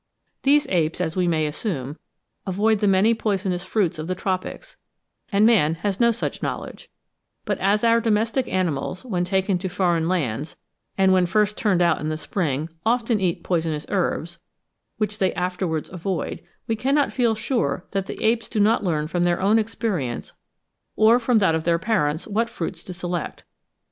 These apes, as we may assume, avoid the many poisonous fruits of the tropics, and man has no such knowledge: but as our domestic animals, when taken to foreign lands, and when first turned out in the spring, often eat poisonous herbs, which they afterwards avoid, we cannot feel sure that the apes do not learn from their own experience or from that of their parents what fruits to select.